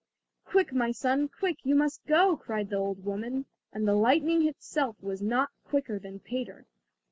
"Quick, my son, quick, you must go," cried the old woman. And the lightning itself was not quicker than Peter.